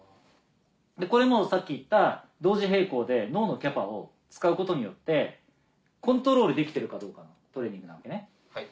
でこれもさっき言った同時並行で脳のキャパを使うことによってコントロールできてるかどうかのトレーニングなわけね。